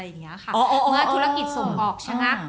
เมื่อธุรกิจส่งออกชะงัก